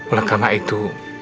oleh karena itu